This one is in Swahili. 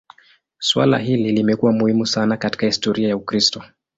Suala hili limekuwa muhimu sana katika historia ya Ukristo.